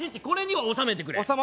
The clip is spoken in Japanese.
これには収めてくれ。